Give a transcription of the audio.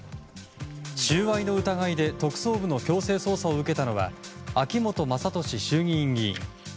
収賄の疑いで特捜部の強制捜査を受けたのは秋本真利衆議院議員。